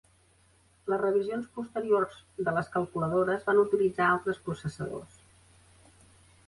Les revisions posteriors de les calculadores van utilitzar altres processadors.